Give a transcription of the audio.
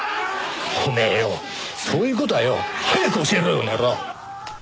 おめえよそういう事はよ早く教えろよこの野郎！